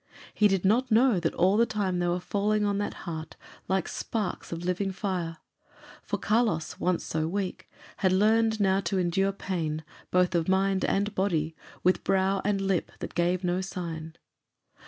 He did not know that all the time they were falling on that heart like sparks of living fire; for Carlos, once so weak, had learned now to endure pain, both of mind and body, with brow and lip that "gave no sign."